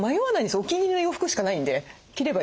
お気に入りの洋服しかないんで着ればいいと。